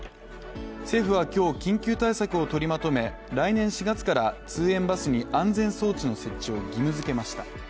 政府は今日、緊急対策を取りまとめ、来年４月から通園バスに安全装置の設置を義務づけました。